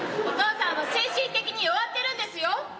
お父さんは精神的に弱ってるんですよ。